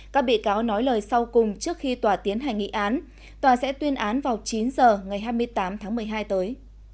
các bị cáo nói lời sau cùng trước khi tòa tiến hành nghị án tòa sẽ tuyên án vào chín h ngày hai mươi tám tháng một mươi hai tới